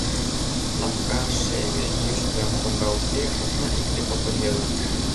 Лапка, шеме, йӱштӧ — коҥга уке, окна икте-кокыт веле.